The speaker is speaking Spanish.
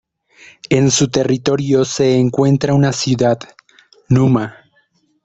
En su territorio se encuentra una ciudad, Numa.